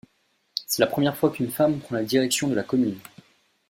C'est la première fois qu'une femme prend la direction de la commune.